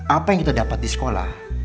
apa yang kita dapat di sekolah